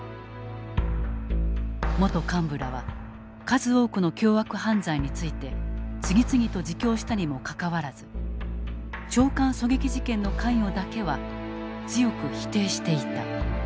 元幹部らは数多くの凶悪犯罪について次々と自供したにもかかわらず長官狙撃事件の関与だけは強く否定していた。